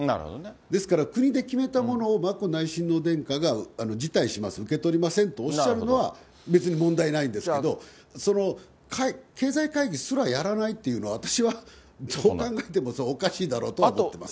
ですから国で決めたものを眞子内親王殿下が辞退します、受け取りませんとおっしゃるのは、別に問題ないんですけど、その経済会議すらやらないっていうのは、私はどう考えてもおかしいだろうと思っています。